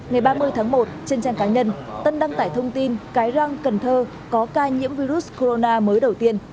ngày ba mươi tháng một trên trang cá nhân tân đăng tải thông tin cái răng cần thơ có ca nhiễm virus corona mới đầu tiên